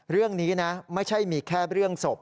เรื่องนี้นะไม่ใช่มีแค่เรื่องศพ